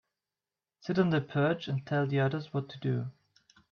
Sit on the perch and tell the others what to do.